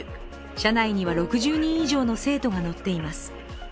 車内には６０人以上の生徒が乗っています。